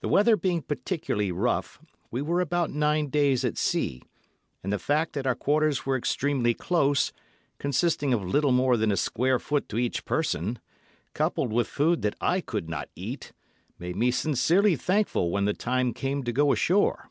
The weather being particularly rough, we were about nine days at sea; and the fact that our quarters were extremely close, consisting of little more than a square foot to each person, coupled with food that I could not eat, made me sincerely thankful when the time came to go ashore.